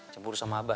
cemburu sama abah